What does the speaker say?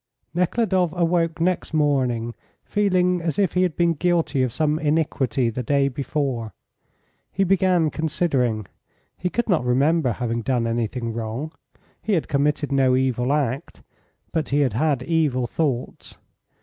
Nekhludoff awoke next morning feeling as if he had been guilty of some iniquity the day before. He began considering. He could not remember having done anything wrong; he had committed no evil act, but he had had evil thoughts.